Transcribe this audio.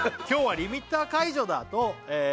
「今日はリミッター解除だ！と」